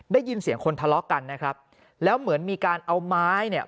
ได้ยินเสียงคนทะเลาะกันนะครับแล้วเหมือนมีการเอาไม้เนี่ย